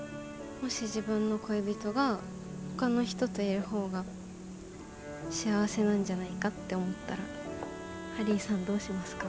もし自分の恋人がほかの人といる方が幸せなんじゃないかって思ったらハリーさんどうしますか？